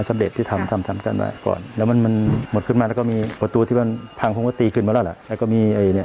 จำตื่นเนี่ยเป็นไง